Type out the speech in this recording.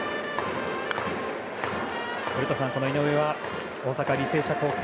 古田さん、この井上は大阪・履正社高校。